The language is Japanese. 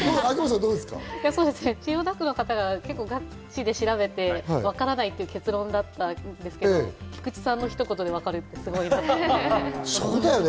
千代田区の方が調べてわからないという結論だったんですけれども、菊池さんの一言でわかるっていうのがすごいですよね。